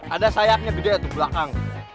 ada sayapnya gitu ya di belakang